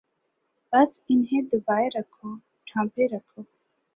بس انہیں دبائے رکھو، ڈھانپے رکھو۔